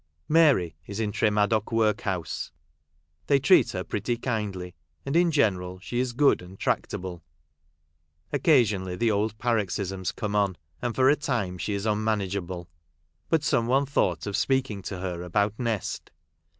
Mary is in Tre Madoc workhouse ; they treat her pretty kindly, and in general she is good and tractable. Occasionally the old par oxysms come on ; and for a time she is unmanageable. But some one thought of speaking to her about Nest.